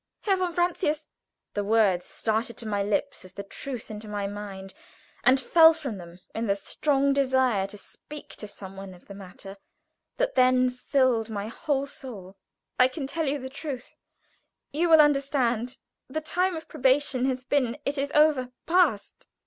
"Herr von Francius" the words started to my lips as the truth into my mind, and fell from them in the strong desire to speak to some one of the matter that then filled my whole soul "I can tell you the truth you will understand the time of probation has been it is over past.